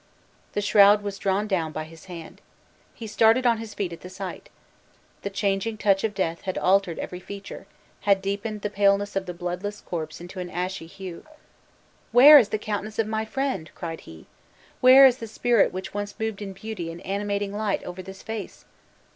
The shroud was drawn down by his hand. He started on his feet at the sight. The changing touch of death had altered every feature had deepened the paleness of the bloodless corpse into an ashy hue. "Where is the countenance of my friend?" cried he. "Where the spirit which once moved in beauty and animating light over this face!